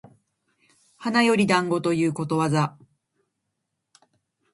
花より団子ということわざ